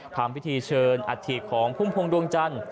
ทำพิธีเชิญอัฐิของพุ่มพวงดวงจันทร์